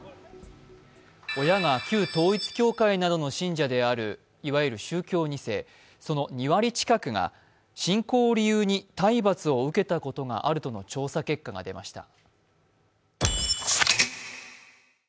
親が旧統一教会などの信者であるいわゆる宗教２世、その２割近くが信仰を理由に体罰を受けたことがあるとの調査結果が出ました。